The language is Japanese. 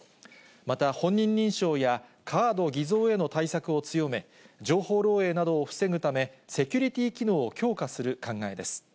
また、本人認証や、カード偽造への対策を強め、情報漏えいなどを防ぐため、セキュリティー機能を強化する考えです。